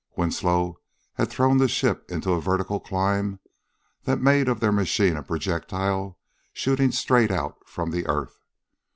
Winslow had thrown the ship into a vertical climb that made of their machine a projectile shooting straight out from the earth.